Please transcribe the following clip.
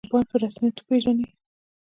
طالبان په رسمیت وپېژنئ